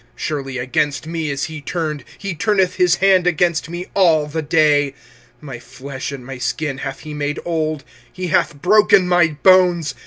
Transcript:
25:003:003 Surely against me is he turned; he turneth his hand against me all the day. 25:003:004 My flesh and my skin hath he made old; he hath broken my bones.